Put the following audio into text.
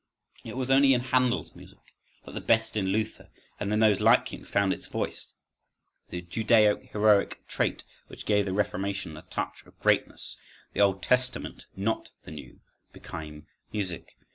It was only in Handel's music that the best in Luther and in those like him found its voice, the Judeo heroic trait which gave the Reformation a touch of greatness the Old Testament, not the New, become music.